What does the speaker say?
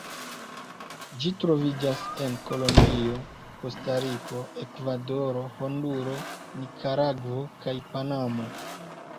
Ĝi troviĝas en Kolombio, Kostariko, Ekvadoro, Honduro, Nikaragvo kaj Panamo.